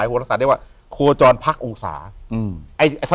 อยู่ที่แม่ศรีวิรัยิลครับ